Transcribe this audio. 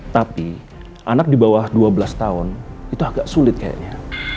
tapi anak di bawah dua belas tahun itu agak sulit kayaknya